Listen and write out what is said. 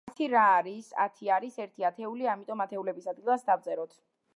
ათი რა არის? ათი არის ერთი ათეული, ამიტომ ათეულების ადგილას დავწეროთ.